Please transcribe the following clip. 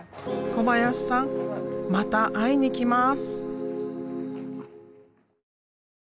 小林さんまた会いに来ます。